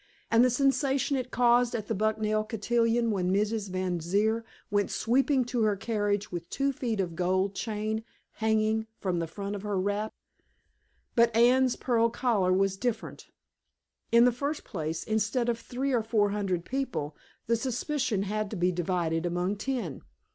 And the sensation it caused at the Bucknell cotillion when Mrs. Van Zire went sweeping to her carriage with two feet of gold chain hanging from the front of her wrap? But Anne's pearl collar was different. In the first place, instead of three or four hundred people, the suspicion had to be divided among ten.